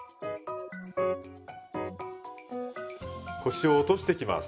腰を落としてきます。